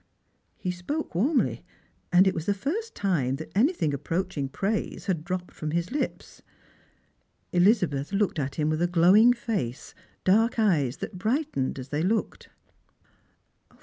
He spoke warmly, and it was the first time that anything approaching praise had dropped from hisUos. Elizabeth looked Strangers and I'llf/rims. G9 Bi him with a glowing face, dark eyes that brightened as they looked.